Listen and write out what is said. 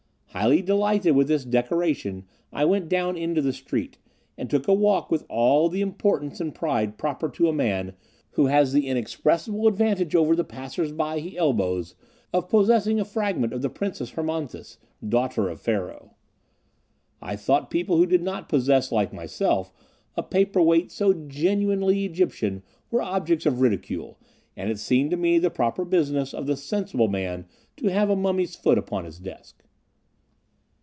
Highly delighted with this decoration, I went down into the street, and took a walk with all the importance and pride proper to a man who has the inexpressible advantage over the passersby he elbows, of possessing a fragment of the Princess Hermonthis, daughter of Pharaoh. I thought people who did not possess, like myself, a paper weight so genuinely Egyptian, were objects of ridicule, and it seemed to me the proper business of the sensible man to have a mummy's foot upon his desk.